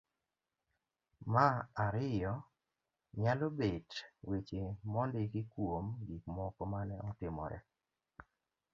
ma ariyo .nyalo bed weche mondiki kuom gikmoko mane otimore.